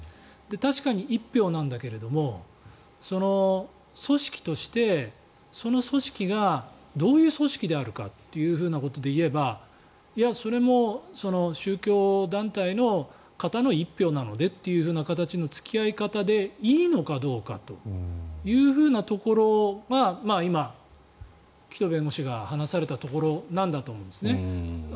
確かに１票なんだけれども組織としてその組織がどういう組織であるかということで言えばいや、それも宗教団体の方の１票なのでという形の付き合い方でいいのかどうかというところが今、紀藤弁護士が話されたところだと思うんです。